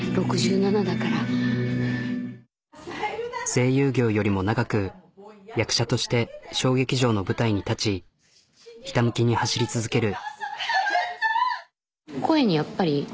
声優業よりも長く役者として小劇場の舞台に立ちひたむきに走り続ける。